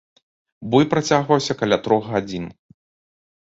Бой працягваўся каля трох гадзін.